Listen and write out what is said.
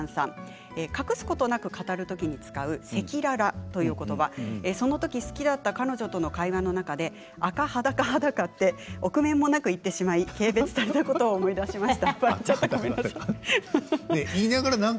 隠すことなく語るときに使う赤裸々ということば好きだった彼女との会話の中であかはだか、はだかという臆面もなく言ってしまって軽蔑されることを思い出しました。